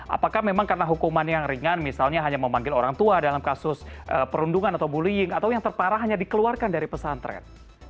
apakah memang karena hukuman yang ringan misalnya hanya memanggil orang tua dalam kasus perundungan atau bullying atau yang terparah hanya dikeluarkan dari pesantren